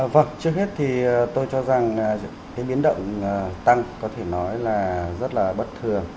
vâng trước hết thì tôi cho rằng cái biến động tăng có thể nói là rất là bất thường